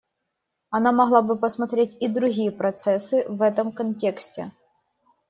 Она могла бы посмотреть и другие процессы в этом контексте.